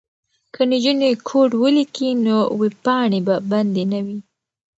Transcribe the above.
که نجونې کوډ ولیکي نو ویبپاڼې به بندې نه وي.